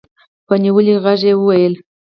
په نيولي غږ يې وويل.